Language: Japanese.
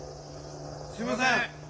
すいません！